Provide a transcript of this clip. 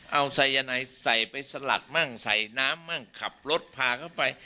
เอาสายนายใส่ไปสลัดมั่งใส่น้ำมั่งขับรถพาเข้าไป